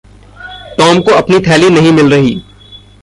Tom को अपनी थैली नहीं मिल रही।